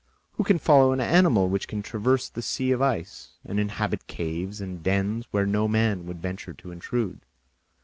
Who can follow an animal which can traverse the sea of ice and inhabit caves and dens where no man would venture to intrude?